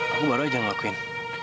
aku baru aja ngelakuin